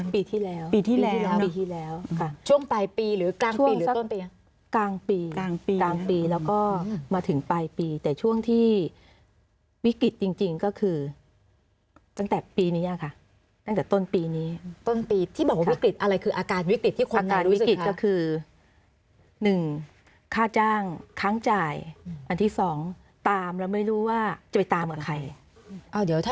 ปีที่แล้วปีที่แล้วปีที่แล้วค่ะช่วงปลายปีหรือกลางปีหรือกลางปีกลางปีกลางปีแล้วก็มาถึงปลายปีแต่ช่วงที่วิกฤตจริงก็คือตั้งแต่ปีนี้ค่ะตั้งแต่ต้นปีนี้ต้นปีที่บอกว่าวิกฤตอะไรคืออาการวิกฤตที่คนงานวิกฤตก็คือ๑ค่าจ้างค้างจ่ายอันที่๒ตามแล้วไม่รู้ว่าจะไปตามกับใคร